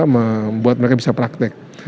membuat mereka bisa praktik